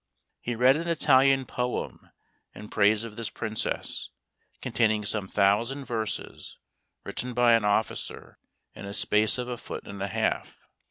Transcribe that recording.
He read an Italian poem, in praise of this princess, containing some thousand verses, written by an officer, in a space of a foot and a half.